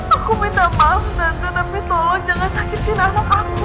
aku minta maaf tante tapi tolong jangan sakitkan anak aku